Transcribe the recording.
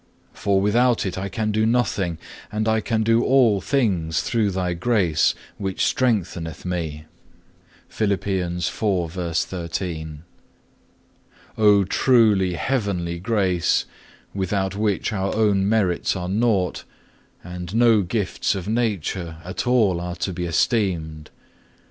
For without it I can do nothing, but I can do all things through Thy grace which strengtheneth me.(3) O truly heavenly grace, without which our own merits are nought, and no gifts of Nature at all are to be esteemed.